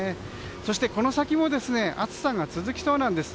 そしてこの先も暑さが続きそうなんです。